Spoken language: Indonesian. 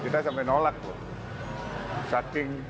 kita sampai nolak loh